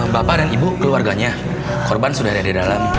bapak dan ibu keluarganya korban sudah ada di dalam